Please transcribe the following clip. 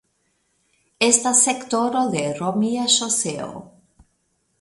Estas sektoro de romia ŝoseo.